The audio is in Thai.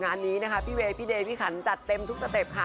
งานนี้นะคะพี่เวย์พี่เดย์พี่ขันจัดเต็มทุกสเต็ปค่ะ